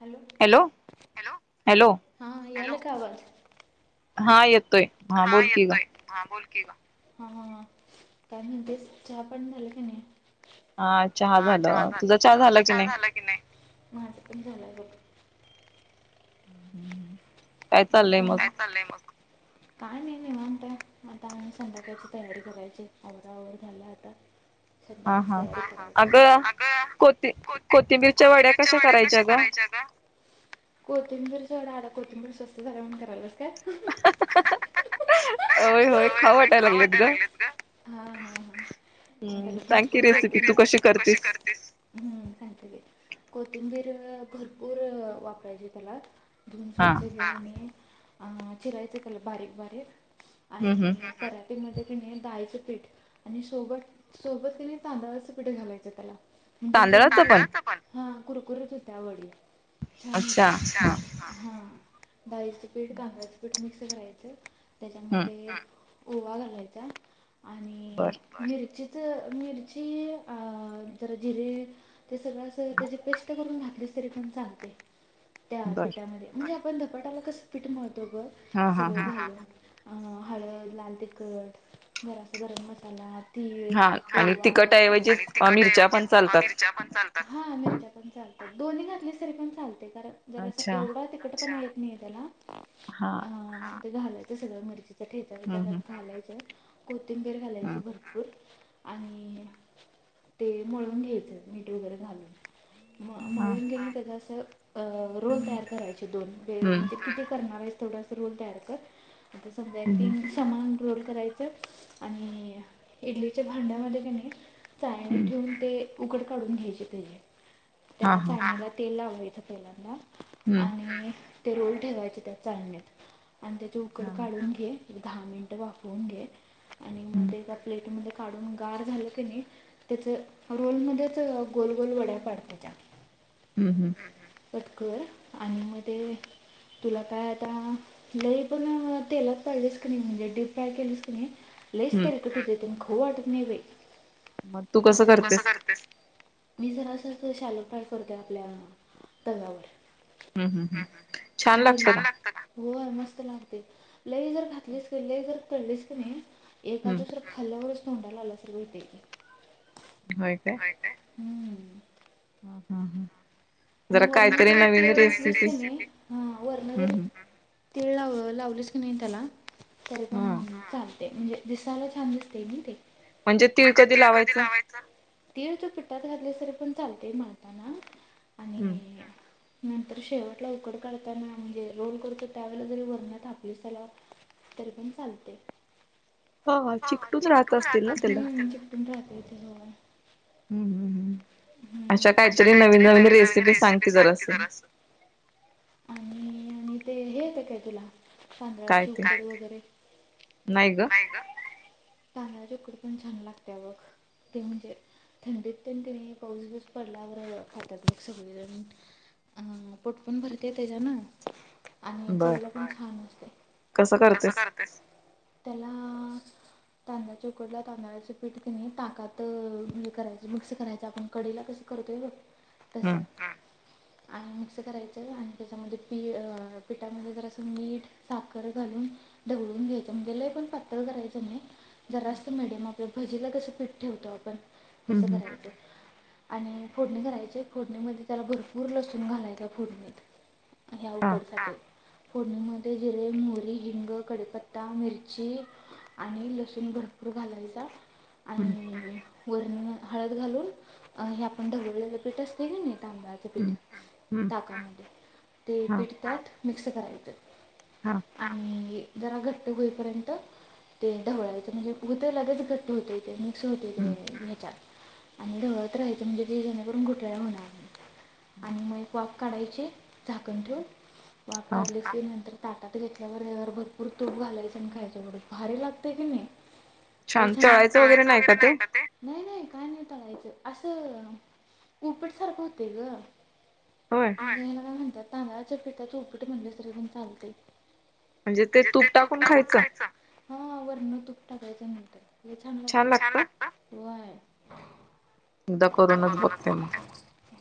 Hello! हा यालय का आवाज हा येत तोय हा बोलकी कि ग! हा का म्हण तेच चहा पाणी झालं का नाही? हा चहा झाला तुझा चहा झाला की नाही माझा पण झाला बघ. काय चाललंय मग, काय नाही निवांत आहे, आता संध्याकाळची तयारी करायची आवराआवर झाल्या आता. अग को कोथिंबीरच्या वड्या कशा करायच्या, कोथिंबीर सगड आडा कोथिंबीर स्वस्त झालं म्हण करायलात. होय-होय खाऊ वाटायला लागलेत ग. सांग की रेसिपी तू कसं करतेस. कोथिंबीर भरपूर वापरायची त्याला, धुवून स्वच्छ घे आणि. अ चिरायचे त्याला बारीक-बारीक. आणि पराठे मधी कनी डाळीचं पीठ आणि सोबत-सोबत कणी तांदळाचं पीठ घालायचं त्याला. म्हणजे ह हा कुरकुरत होत्या वडी. छान होत्या अच्छा! हा, डाळीच पीठ, कांगराच पीठ, मिक्स करायच त्याच्यामध्ये ओवा घालायचा. आणि मिरचीच मिरची अ जरा जिरे. ते सगळं अस त्याची पेस्ट करून घातलीस तरी पण चालते त्या पिठामध्ये म्हणजे आपण धपाटाला कसं पीठ मळतो बग, सगळ घालून हळद, लाल तिखट, जरास गरम मसाला. तीळ, ओवा, आणि तिखटऐवजी मिरच्या पण चालतात, मिरच्या पण चालतात. दोन्ही घातली तरी पण चालतय. कारण जर असं एवढं तिकड पण येत नाही त्याला. हा. ते घालायचं सगळ मिरचीचा-ठेचा-बीचा घालायचा, कोथिंबीर घालायचे भरपूर. आणि ते मळून घ्यायचं, मीठ वगैरे घालून. मळून घे तेज अस रोल तयार करायच. दोन म्हणजे किती कर करणार आहेस, तेवढं रोल तयार कर, समजा एक तीन सामान रोल करायचं. आणि इडलीच्या भांड्यामध्ये कणी चाळणी ठेवून ते उकड काढून घ्यायचे त्याची, चाळणीला तेल लावायच. पहिल्यांदा आणि ते रोल ठेवायचे त्या चाळणीत. आणि त्याची उकड काढून घे, दहा मिनटं वापरून घे, आणि मग एका प्लेटमध्ये काढून गार झालं की नाही, त्याच रोलमध्येध्येच गोल गोल वड्या पाड त्याच्या. हम्म. हम्म. कटकर आणि मग ते. तुला काय आता लई पण तेलात तळलीस कणी, म्हणजे डीप फ्राय केलीस कणी. लईच तेलकट होते त्यांना. खाऊ वाटत नई बाई! तू कसे करतेस? मी जर असं शालू फ्राय करते, आपल्या तव्यावर. हम्म, हम. हम. छान लागत का. होय मस्त लागतय. लई जर घातलीस की, लई जर तळलीस की नाही. एखादुसरं खाल्ल्यावरच तोंडायला आल्या सारखं होतेय ते. होय काय. हम्म. हा. हा. हा. आणि वरन जरी तीळ लावलीस कनी, हा वरन जरी तिळ लाव लावलीसा की नाही त्याला, तरी पण चालते म्हणजे दिसायला छान दिसते ते. म्हणजे तीळ कधी लावायचं? तीळ त पिट्टात घातलेस तरी पण चालतेय मळताना. हम्म. नंतर शेवटला उकड काढताना, म्हणजे रोल करतो त्यावेळेला जरी वरण थापलीस त्याला तरी पण चालतय. हा चिकटून राहत असतील, चिकटून राहते. हम. हम. हम्म. अशा काहीतरी नवीन-नवीन रेसिपी सांग की जरास. आणि-आणि ते हे येतय काय तुला? तांदळाची उकडी वगैरे? नाही ग. तांदच्या उकडी पण छान लागते बघ, ते म्हणजे थंडीत पण तेने पाऊस बिऊस पडल्यावर आता ते सगळीजण- अं -पोट पण भरतय त्याच्यानं आणि चवीला पण छा न असतय. कस करतेस? त्याला- तांदळाच्या उकडला तांदळाचचे पीठ किनई ताकात हे करायच मिक्स करायचं आपण. कढीला कसं करतोय बघ? तस. आणि मिक्स करायचं आणि त्याच्यामध्ये पि- पिठामध्ये जरास मीठ, साखर घा - लून ढवळून घ्यायच म्हणजे लई पण पातळ करायच नाही. जरासं मिडीयम आपलं भजीला कसं - ठेवतो आपण? तस करायच. आणि फोडणी करायची. फोडणीमध्ये त्याला भरपूर लसूण घालायचा फोडणीत. ह्या उकडसाठी. फोडणीमध्ये जिरे, मोहरी, हिंग, कढीपत्ता, मिरची- आणि लसूण भरपूर घालायचा. आणि वरणी हळद घालून, अ हे आपण ढवळलेलं पीठ असतय की नाही? तांदळाच पीठ ताका मध्ये. ते पीठ त्यात मिक्स करायचं. आम्ही- जरा घट्ट होईपर्यंत ते ढवळायचं. म्हणजे, होत लगेच घट्ट होतय ते. [unintelligible] आणि ढवळत राहायच म्हणजे ते जेणेकरून गुठळ्या होणार नाहीत. आणि मग एक वाफ काढायची झाकण ठेवून. वाफ काढळी की नंतर- ताटात घेतल्यावर यावर भरपूर तूप घालायचं आणि खायच. एवढं भारी लागतय की नाही. [unintelligible] तळायचं वगैरे नाही ना ते? नाही नाही काय नाही तळायचं. असं उप्पीट सारखं होतय ग! आणि ला काय म्हणतात? तांदळाच्या पिठाच उपीट म्हटलय तरीपण चालतंय. म्हणजे, ते तूप टाकून खायचं? हा. वरन तूप टाकायचं म्हणताय ते छान लागतंय. ल छान लागत? एकदा करूनच बघते म.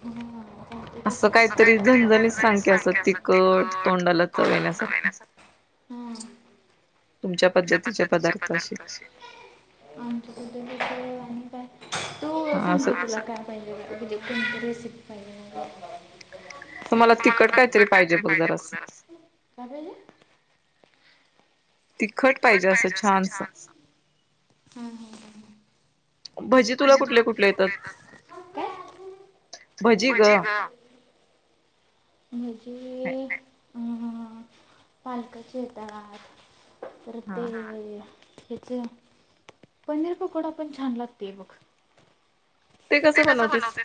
हम. असं काहीतरी [unintelligible] असं तिखट [unintelligible] हम्म. तुमच्या पद्धतीचे पदार्थ असे. तू सांग की तुला काय पाहिजे? कोणती रेसिपी पाहि- असं मला तिखट कायतरी पाहिजे बघ, जरा असं. तिखट पाहिजे असं छानस. भजी तुला कुठले कुठले येतात? भजी ग. भजी- अं -पालकाचेे येतात. परत ते- ह्याचे -पनीर पकोडा पण छान लागतेय बघ. ते कसं बनवतेस?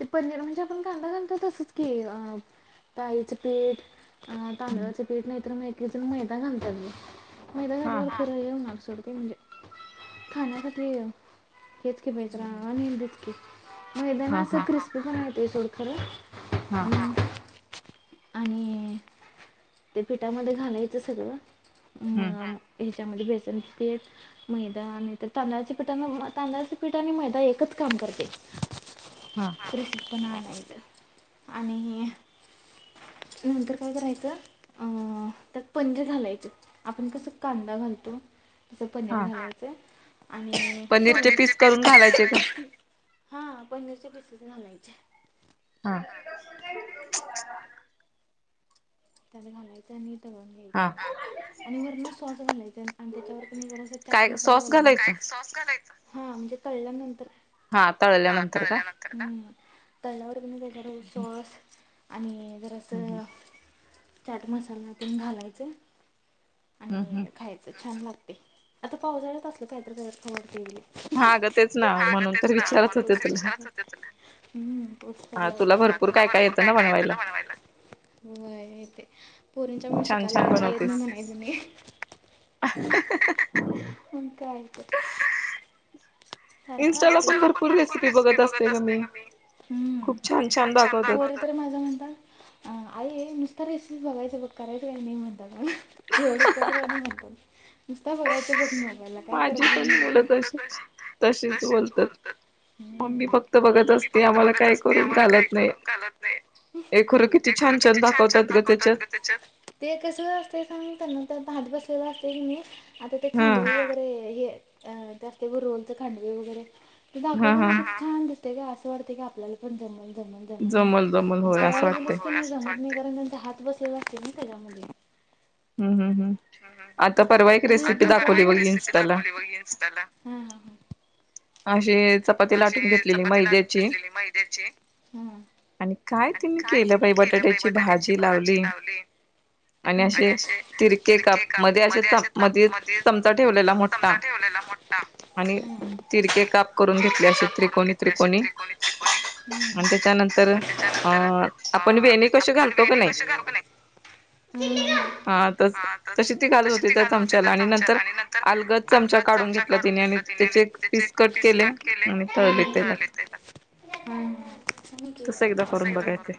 ते पनीर म्हणजे आपण कांदा घालतो तसच की अं - डाळीच पीठ आणि तांदळाचे पीठ. नाहीतर एक एक जण मैदा घालतात बघ. मैदा घातला खरं ये होणार. सोडते म्हणजे खाण्यासाठी [unintelligible] मैद्याने अस क्रिस्पी पण होत थोडं खर. आणि ते पिठामध्ये घालायचं सगळं- म [unintelligible] त्याच्यामध्ये बेसनपीठ, मैदा आणि तांदळाच्या पीठ, तांदळाचे पीठ आणि मैदा- एकच काम करते. नाही तर आणि - नंतर काय करायचं? त्यात पनीर घालायचं. आपण कसं कांदा घालतो. अस पनीर घालायचं. आणि पनीरचे पीस कधी घालायचे? हा पनीरचे पिसेज घालायचे. हा. त्यात घालायचं आणि तळून घ्यायचं. आणि वरण श्वास घालायच. आणि त्याच्यावर जरासा चाट मसाला घालायचा, काय श्वास घालायचा! तळल्यानंतर हा तळल्यानंतर का? तळ्यावर तुम्ही त्याच्यावरती श्वास. आणि जर असं चाट मसाल्यातेन घालायचं. आणि खायचं छान लागते, आता पावसाळ्यात असल काहीतर असल काय तरी खाऊ वाटतय बाई. हा ग तेच ना, म्हणून तर विचारच होते तुला. ह् तुला भरपूर काय-काय येत ना बनवायला. होय. पोरींच्या मूळ शिकायला मिळत काय येत नाही अस म्हणायच नाही. मग काय तर. इन्स्टाला पण भरपूर रेसिपी बघत असते ग मी. का मी खूप छान छान दाखवतात. [unintelligible] अ आय ये मी. तर रेसिपी बघायचं बघ, करायचं काय नाही म्हणत, काण एवढं करू म्हणतो. नुसता बघायचंच नाही आपल्याला काय करून तशीच बोलतात, मम्मी फक्त बघत असते, आम्हाला काय करून घालत नाही. खरं किती छान-छान दाखवतात ग त्याच्यात, ते कस अस सांगु का ग. तर भात बसलेला असतय कणी. आता ते खांडवे वगैरे, हे ते असतय बग रोलच खांडवे वगैरे. ते दाखवत खूप छान दिसतय ग, काय असं वाटते की आपल्याला पण जमलं. म्हणून. कराय गेलीस तर जमत नाही. नंतर हात बसलेला असेल ना तेजा मूळ. ह [unintelligible] हम्म, हम, हम्, आता परवा एक रेसिपी दाखवली बघ इन्स्टाला. अशी चपाती लाटून घेतलेली मैद्याची. हा. आणि काय तिने केलं बाई बटाट्याची भाजी लावली. आणि असे तिरके काप, मध्ये असे मध्ये चमचा ठेवला. ला मोठा. आणि. तिरके काप करून घेतले असे त्रिकोणी-त्रिकोणी आणि त्याच्यानंतर अं आपण वेनी कशी घालतो कणी. हा त तशी ती घालत होती त्या चमचाला, आणि नंतर अलगद चमचा काढून घेतला तिने, आणि त्याचे पिसकट केले आणि तळले तेलात. तस एकदा करून बघायचं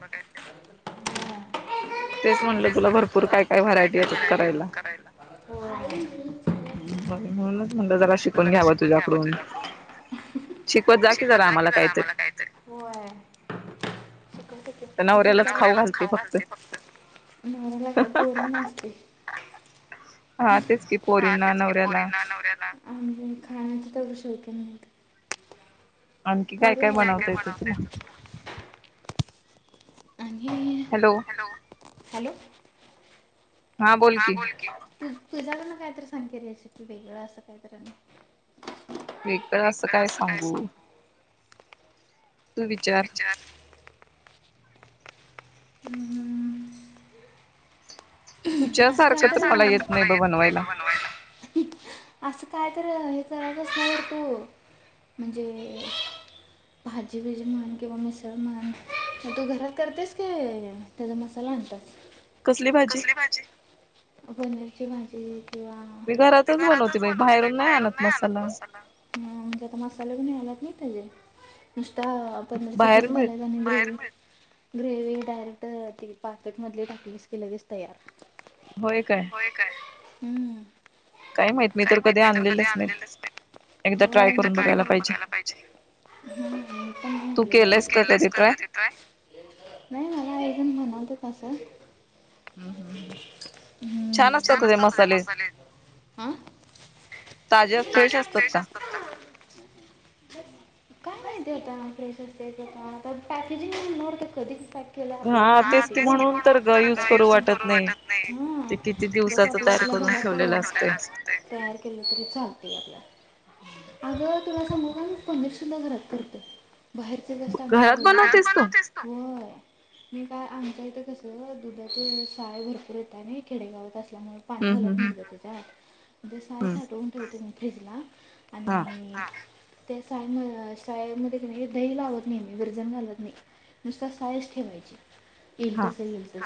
तेच म्हटलं तुला भरपूर काय काय व्हरायटी येतात करायला हो. ह म्हणूनच म्हटलं जरा शिकून घ्यावं तुझ्या शिकवत जा की जरा आम्हाला काहीतरी, होय. नवऱ्यालाच खाऊ घालते फक्त. नवऱ्याला काय, पोर नसते. हा तेच की पोरींना, नवऱ्याला. आ म्हणजे खाण्याच्या काय शोक्य नाहीत. आणखी काय-काय बनवता येत तुला? आणि. हॅलो! हॅलो. हा बोल की, तुझ्या कडंन काहीतरी सांग रेसिपी वेगळं असं काही तर. वेगळ असं काय सांगू? तू विचार हम्! तुमच्या, सारख मला काय येत नाही बनवायला अस. काय तर हेचकरायचच नाही तू म्हणजे भाजी-बीजी म्हण, किंवा मिसळ म्हण, तू घरात करतेस का त्याचा मसाला आणतात. कसली भाजी? पनीरची भाजी. [inaudible] मी घरातच बनवते बाई, बाहेरून नाही आणत मसाला, म्हणजे आता मसाले मिळाल्यात नाही त्याचे. नुसता पनीरच पीस घालाय आणि ग्रेवी डायरेक्ट ती पाकेट मधली टाकलीस की, लगेच तयार. होय काय. हम्! काय माहित मी तर कधी आणलेलंच नाहीत. एकदा ट्राय करून बघायला पाहिजे? तू केलंस का कधी तरं? नाही मला एक जन म्हणालतत तस. हम्! छान! असतात तें मसाले. ताज्या फ्रेश असतात ना. काय माहिती आता फ्रेश असते का, काय पॅकेजिंग [unintelligible] कधीच. [unintelligible] केल आपल्याला तर काय माहित गं. हा तेच की म्हणून तर करू वाटत नाही. किती दिवसच तयार करून ठेवलेलं असत ते! तयार केलं तरी चालतेय आपल्याला. अगं तुला सांगू का मी पनीर सुद्धा घरात करते, बाहेरचे जास्त आणायला बघत नाही. घरात बनवतेस तू? होय. मी काय आमच इथं कस दुधाचे साय भरपूर येत आणि खेडेगावात अस त्यामुळे पाणी घालत नाहीतं गं दुधात, ते म्हणजे साय साठवून ठेवते मी फ्रीजला आणि त्या साय सायमध्ये दही लावत नाही मी, विरजन घालत नाही. नुसत सायस ठेवायची. येईल तस, येईल तस,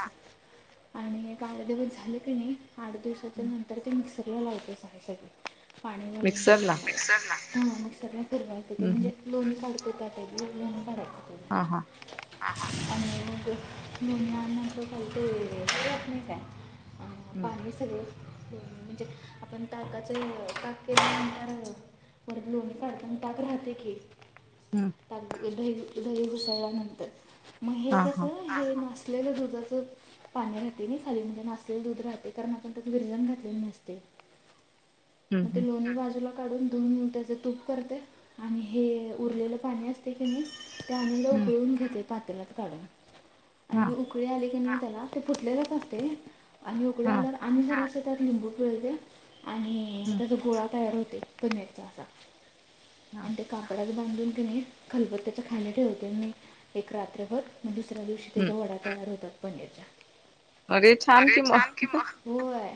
आणि काही दिवस झालं की नाही. आठ दिवसाच्या नंतर ते मिक्सरला लावतेच साय सगळे, पाणी घलून त्याच्यामुळे! मिक्सरला. हा मिक्सरला फिरावायचं ते म्हणजे लोणी काढतो त्या टायपने. लोणी काढायच. आणि मग ते लोणी [unintelligible] पाणी सगळं म्हणजे आपण ताकाचं, ताक केल्यानंतर परत लोणी काढतो आणि ताक राहते की द दही घुसळल्यानंतर, मग हे कस हे नासलेल्या दुधाचं पाणी राहते नाही खाली, म्हणजे नासलेल दूध राहते, कारण आपण त्यात विरजण घातलेली नसते. मग ते लोणी बाजूला काढून, दोन मिमटाचे तूप करते आणि हे उरलेलं पाणी असते की नाही, ते अनेकदा उकळून घेते पातेलात काढून. आणि उकळी आली की नाही त्याला, ते फुटलेलेच असते, आणि उकळी आल्यावर आम्ही ज त्यात लिंबू पिळते आणि त्याचा गोळा तयार होते, पनीरचा असा. आणि ते कापडात. बांधून कणी खलबत्त्याच्या खाली ठेवते मी, एक रात्रभर. मग दुसऱ्या दिवशी त्याच्या वड्या तयार होतात पनीरच्या. अरे छान कि मग, होय!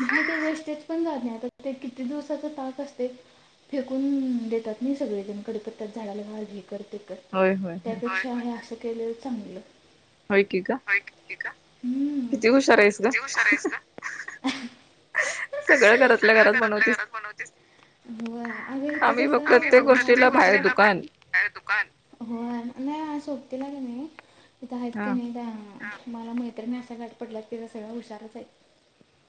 मी कधी वेस्टीज. पण जात नाही, आता ते किती दिवसाच. ताक असतय. फेकून देतात, सगळे जण कढीपत्त्याच्या झाडाला घाल हे कर. ते कर, त्यापेक्षा असं केलेलं चांगलं. होय की ग. होय की ग. किती हुशार आहेस ग. सगळं घरातल्या घरात बनवतीस. हो आणिच ना दुकान [unintelligible] हो नाही सोबतीला कनी. हित आहेत का नाही त्या. मला मैत्रिणी अशा गाठ पडल्यात की, त्या सगळ्या हुशारच आहेत.